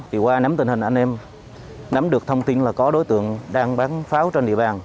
thì qua nắm tình hình anh em nắm được thông tin là có đối tượng đang bán pháo trên địa bàn